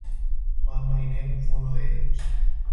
Juan Marinello fue uno de ellos.